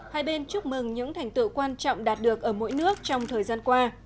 hai bên chúc mừng những thành tựu quan trọng đạt được ở mỗi nước trong thời gian qua